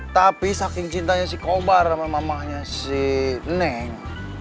tapi saking cintanya si kobar sama mamanya si neng